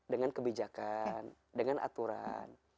dengan kebijakan dengan aturan